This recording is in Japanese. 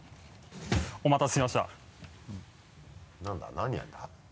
何やるんだ？